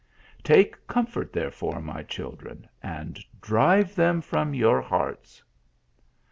Take comfort, therefore, my children, and drive them from your hearts."